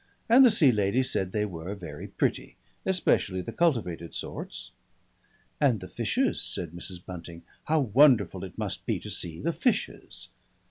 And the Sea Lady said they were very pretty especially the cultivated sorts.... "And the fishes," said Mrs. Bunting. "How wonderful it must be to see the fishes!"